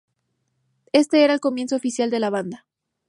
Este era el comienzo oficial de la banda.